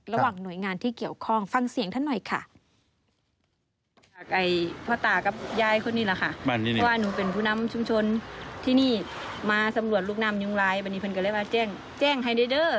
ระหว่างหน่วยงานที่เกี่ยวข้องฟังเสียงท่านหน่อยค่ะ